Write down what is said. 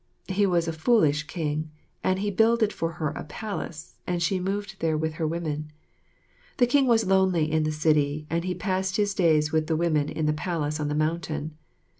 He was a foolish King, and he builded for her a palace, and she moved there with her women. The King was lonely in the city, and he passed his days with the women in the palace on the mountain.